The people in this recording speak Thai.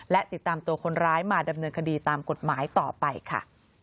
และติดตามตัวคนร้ายมาดำเนินคดีตามกฎหมายต่อไปค่ะ